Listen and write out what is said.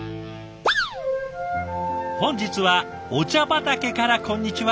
本日はお茶畑からこんにちは。